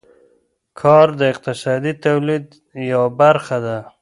کار د اقتصادي تولید یوه برخه ده.